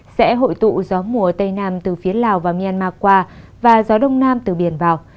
sẽ hội tụ gió mùa tây nam từ phía lào và myanmar và gió đông nam từ biển vào